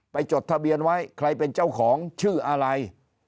จดทะเบียนไว้ใครเป็นเจ้าของชื่ออะไร